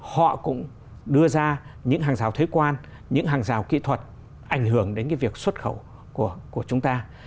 họ cũng đưa ra những hàng rào thuế quan những hàng rào kỹ thuật ảnh hưởng đến việc xuất khẩu của chúng ta